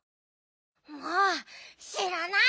もうしらない！